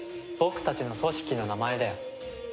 僕たちの組織の名前だよ。